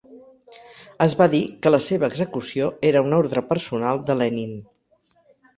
Es va dir que la seva execució era una ordre personal de Lenin.